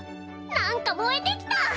なんか燃えてきた！